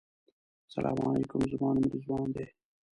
سلام علیکم زما نوم رضوان دی.